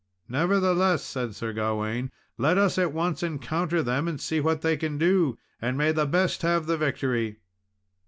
"Nevertheless," said Sir Gawain, "let us at once encounter them, and see what they can do; and may the best have the victory."